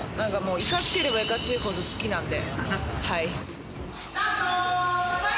いかつければ、いかついほど好きなんで。